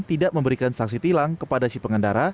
tidak memberikan sanksi tilang kepada si pengendara